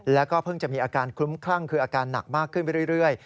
แล้วก็เพิ่งจะมีอาการคลุ้มคลั่งคืออาการหนักมากขึ้นไปเรื่อย